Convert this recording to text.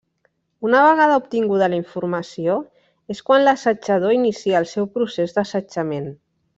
Una vegada obtinguda la informació, és quan l'assetjador inicia el seu procés d'assetjament.